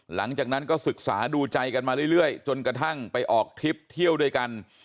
หลังจากนั้นก็ศึกษาดูใจกันมาเรื่อยจนกระทั่งไปออกทริปเที่ยวด้วยกัน